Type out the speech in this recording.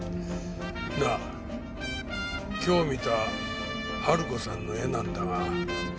なあ今日見た春子さんの絵なんだが。